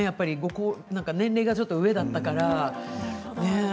年齢がちょっと上だったから。